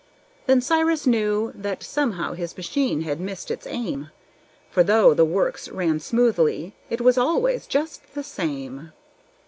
Then Cyrus knew that somehow his machine had missed its aim; For though the works ran smoothly it was always just the same.